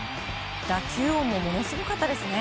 打球音もものすごかったですね。